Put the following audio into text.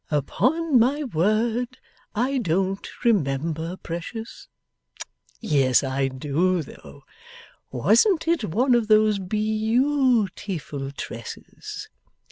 'Upon my word I don't remember, Precious. Yes, I do, though. Wasn't it one of these beau tiful tresses?